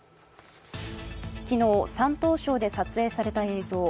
昨日、山東省で撮影された映像。